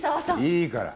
いいから！